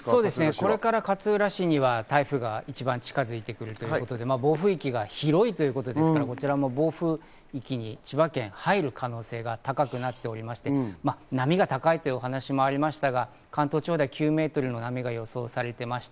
これから勝浦市には台風が一番近づいてくるということで、暴風域が広いということですから、こちらも千葉県、暴風域に入る可能性が高くなっておりまして、波が高いという話もありましたが、関東地方では９ｍの波が予想されています。